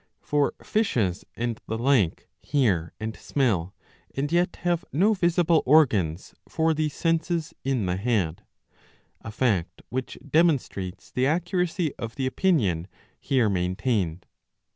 For fishes and the like hear and smell, and yet have no visible organs for these senses in the head ;^^ a fact which demonstrates the accuracy of the opinion here maintained.